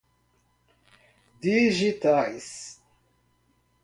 digitais